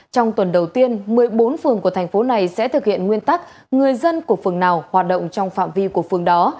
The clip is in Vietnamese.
trong tuần đầu tiên một mươi bốn phường của thành phố này sẽ thực hiện nguyên tắc người dân của phường nào hoạt động trong phạm vi của phường đó